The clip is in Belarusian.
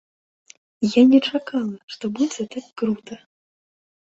Я не чакала, што будзе так крута.